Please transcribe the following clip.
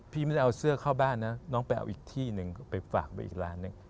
พี่ไม่ได้เอาเสื้อเข้าบ้านนะน้องไปเอาอีกที่หนึ่งไปฝากไว้อีกล้านหนึ่ง